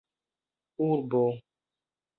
urbo